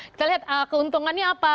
kita lihat keuntungannya apa